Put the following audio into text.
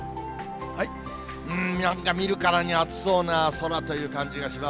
うーん、見るからに暑そうな空という感じがします。